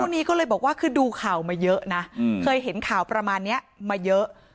นี้ก็เลยบอกว่าคือดูข่าวมาเยอะนะเคยเห็นข่าวประมาณนี้มาเยอะ